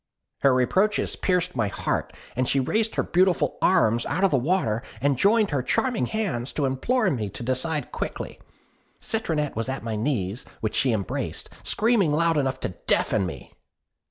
"Her reproaches pierced my heart; she raised her beautiful arms out of the water, and joined her charming hands to implore me to decide quickly. Citronette was at my knees, which she embraced, screaming loud enough to deafen me.